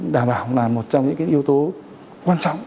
đảm bảo là một trong những yếu tố quan trọng